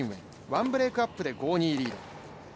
ワンブレークアップで５−２リード